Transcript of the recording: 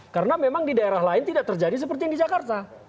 karena memang di daerah lain tidak terjadi seperti di jakarta